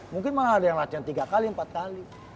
mungkin malah ada yang latihan tiga kali empat kali